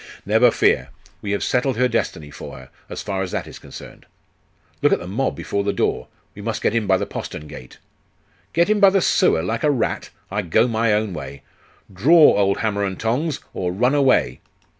'Never fear; we have settled her destiny for her, as far as that is concerned. Look at the mob before the door! We must get in by the postern gate.' 'Get in by the sewer, like a rat! I go my own way. Draw, old hammer and tongs! or run away!